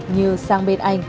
như sang bên anh